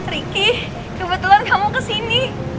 riki kebetulan kamu kesini